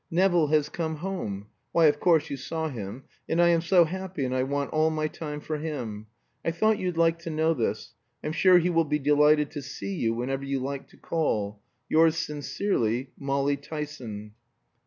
Nevill has come home why of course you saw him and I am so happy and I want all my time for him. "I thought you'd like to know this. I'm sure he will be delighted to see you whenever you like to call. Yours sincerely, "Molly Tyson.